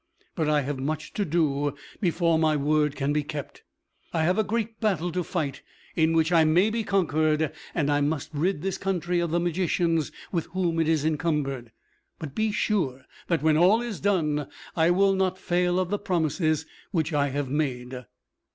But I have much to do before my word can be kept. I have a great battle to fight, in which I may be conquered, and I must rid this country of the magicians with whom it is encumbered. But be sure that, when all is done, I will not fail of the promises which I have made."